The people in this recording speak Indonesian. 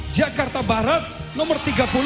jakarta barat nomor tiga puluh lima